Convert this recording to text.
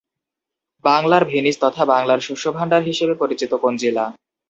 বাংলার ভেনিস তথা বাংলার শস্যভাণ্ডার হিসেবে পরিচিত কোন জেলা?